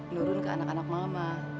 nurun ke anak anak mama